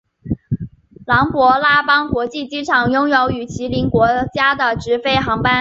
琅勃拉邦国际机场拥有与毗邻国家的直飞航班。